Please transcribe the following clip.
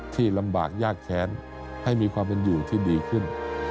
ที่ลำบากยากแค้นให้มีความเป็นอยู่ที่ดีขึ้น